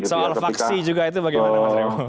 soal faksi juga itu bagaimana mas revo